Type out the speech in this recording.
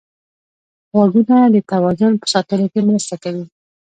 غوږونه د توازن په ساتلو کې مرسته کوي